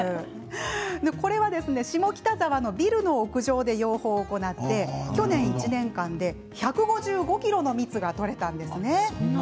下北沢のビルの屋上で養蜂を行って去年１年間で１５５ｋｇの蜜が取れたんです。